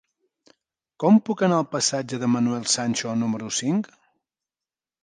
Com puc anar al passatge de Manuel Sancho número cinc?